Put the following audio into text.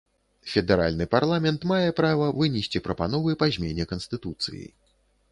Федэральны парламент мае права вынесці прапановы па змене канстытуцыі.